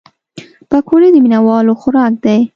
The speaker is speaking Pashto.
پکورې د مینهوالو خوراک دی